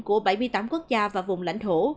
của bảy mươi tám quốc gia và vùng lãnh thổ